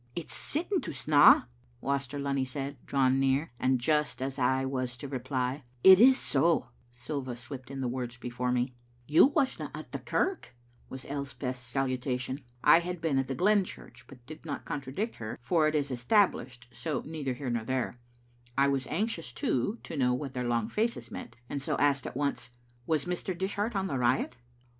"It's sitting to snaw," Waster Lunny said, drawing near, and just as I was to reply, " It is so/' Silva slipped in the words before me. Digitized by VjOOQ IC yf t0t sermon ngMiwt VIometu M You wasna at the kirk," was Elspetb's salutation. I had been at the Glen church, but did not contradict her, for it is Established, and so neither here nor there. I was anxious, too, to know what their long faces meant, and so asked at once— "Was Mr. Dishart on the riot?"